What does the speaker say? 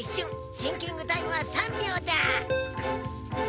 シンキングタイムは３びょうだ！